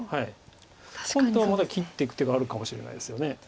今度はまた切っていく手があるかもしれないですよね。